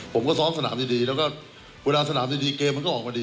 ผมก็ซ้อมสนามดีแล้วก็เวลาสนามดีเกมมันก็ออกมาดี